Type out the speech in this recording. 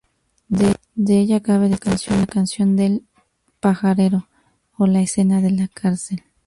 De ella cabe destacar "la canción del pajarero" o la escena de la cárcel.